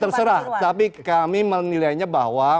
terserah tapi kami menilainya bahwa